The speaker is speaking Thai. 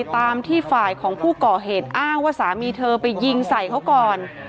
ตามที่ฝ่ายของผู้ก่อเหตุอ้างว่าสามีเธอไปยิงใส่เขาก่อน